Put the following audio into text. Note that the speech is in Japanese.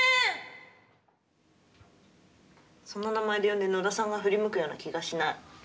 その名前で呼んで野田さんが振り向くような気がしない。